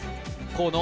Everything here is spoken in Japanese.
河野